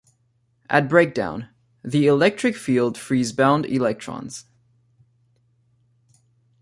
At breakdown, the electric field frees bound electrons.